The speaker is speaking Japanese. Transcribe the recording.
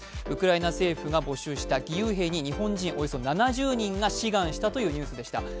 ウクライナ政府が募集した義勇兵に日本人のおよそ７０人が志願したというニュースでした。